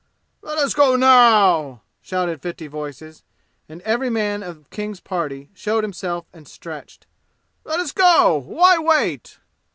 "Let us go now!" shouted fifty voices, and every man of King's party showed himself and stretched. "Let us go! Why wait?"